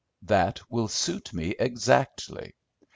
"That will suit me exactly."